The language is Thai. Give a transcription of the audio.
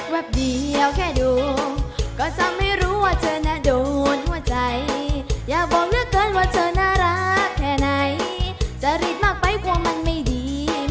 วัปเดียวแค่ดูก็สำไม่รู้ว่าจะบีว่าถ่ายอย่าบอกไปว่าจะน่ารักแทนอย่ารีบมากไปว่ามันไม่ดีไม่งาม